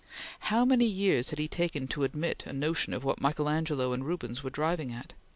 How many years had he taken to admit a notion of what Michael Angelo and Rubens were driving at?